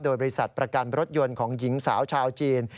โดยบริษัทประกันรถยนต์ของหญิงสาวชาวจีน